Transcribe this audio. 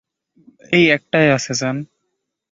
এই একটাই আছে, জান!